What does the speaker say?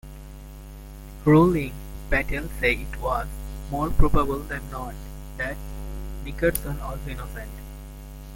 Ruling, Patel said it was "more probable than not" that Nickerson was innocent.